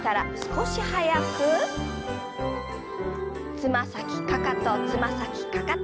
つま先かかとつま先かかと。